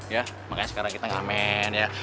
ya makanya sekarang kita ngamen ya